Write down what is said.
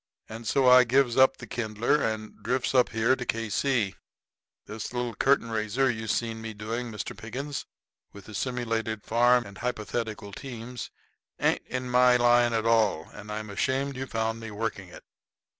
And so I gives up the kindler and drifts up here to K.C. This little curtain raiser you seen me doing, Mr. Pickens, with the simulated farm and the hypothetical teams, ain't in my line at all, and I'm ashamed you found me working it."